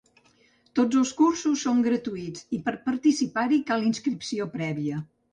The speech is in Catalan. Totes els cursos són gratuïts i per participar-hi cal inscripció prèvia.